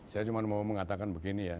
saya cuma mau mengatakan begini ya